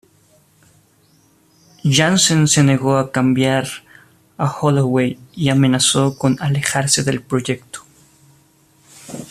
Janssen se negó a cambiar a Holloway y amenazó con alejarse del proyecto.